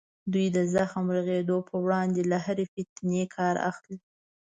دوی د زخم د رغېدو په وړاندې له هرې فتنې کار اخلي.